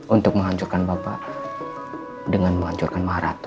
untuk menghancurkan bapak dengan menghancurkan marat